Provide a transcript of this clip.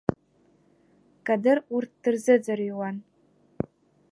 Кадыр урҭ дырзыӡырҩуан.